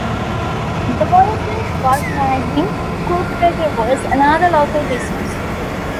The Wollaston Vulcanising Co-Operative was another local business.